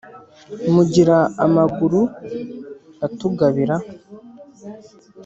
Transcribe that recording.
mugira amaguru atugabira